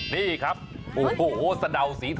นี่ครับโอ้โหสะเดาสีทอง